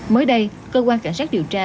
mới đây cơ quan cảnh sát điều tra